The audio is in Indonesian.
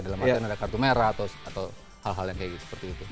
dalam artian ada kartu merah atau hal hal yang kayak seperti itu